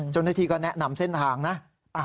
เจ้าหน้าที่ก็แนะนำเส้นทางนะ